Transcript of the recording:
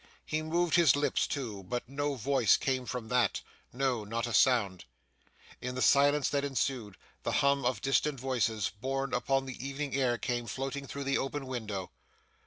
He moved his lips too, but no voice came from them; no, not a sound. In the silence that ensued, the hum of distant voices borne upon the evening air came floating through the open window.